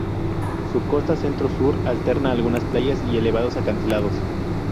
Su costa centro y sur alterna algunas playas y elevados acantilados.